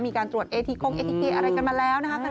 มีการตรวจเอทีกงเอทิเกอะไรกันมาแล้วนะคะ